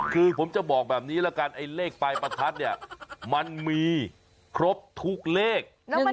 คือผมจะบอกแบบนี้ละกันไอ้เลขปลายประทัดเนี่ยมันมีครบทุกเลข